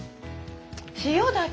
塩だけ？